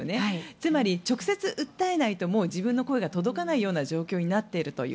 つまり、直接訴えないともう自分の声が届かないような状況になっているという。